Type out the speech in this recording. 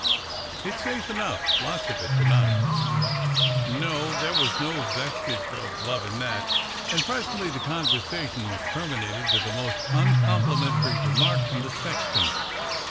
"It's safe enough. Lots of it to night " No, there was no vestige of love in that. And pres ently the conversation was terminated with the most uncomplimentary remark from the sexton.